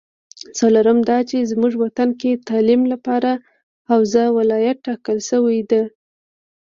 څلورم دا چې زمونږ وطن کې تعلیم لپاره حوزه ولایت ټاکل شوې ده